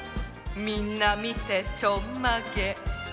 みんなみてちょんまげ！